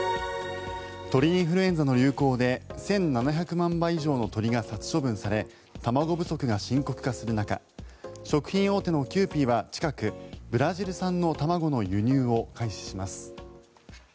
鳥インフルエンザの流行で１７００万羽以上の鳥が殺処分され卵不足が深刻化する中食品大手のキユーピーは近く、ブラジル産の卵の輸入を開始します。